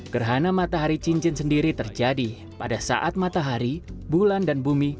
gerhana matahari cincin sendiri terjadi pada saat matahari bulan dan bumi